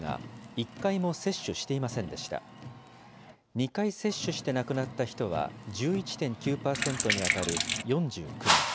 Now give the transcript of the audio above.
２回接種して亡くなった人は１１．９％に当たる４９人。